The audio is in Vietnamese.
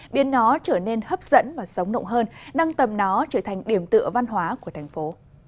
biến nó trở nên hấp dẫn và sống động hơn nâng tầm nó trở thành điểm tựa văn hóa của thành phố